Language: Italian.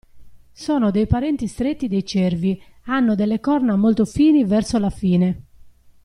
Sono dei parenti stretti dei cervi hanno delle corna molto fini verso la fine.